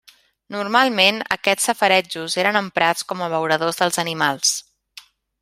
Normalment aquests safaretjos eren emprats com abeuradors dels animals.